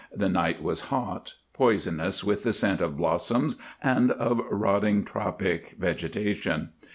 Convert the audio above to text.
The night was hot, poisonous with the scent of blossoms and of rotting tropic vegetation.